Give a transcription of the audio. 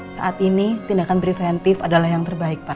saat ini tindakan preventif adalah yang terbaik pak